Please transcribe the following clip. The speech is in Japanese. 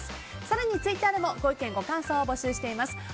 更にツイッターでもご意見、ご感想を募集しています。